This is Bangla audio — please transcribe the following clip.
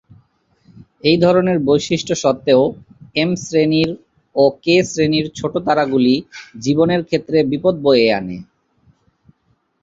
এই ধরনের বৈশিষ্ট্য সত্ত্বেও, এম-শ্রেণির ও কে-শ্রেণির ছোটো তারাগুলি জীবনের ক্ষেত্রে বিপদ বয়ে আনে।